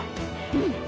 うん。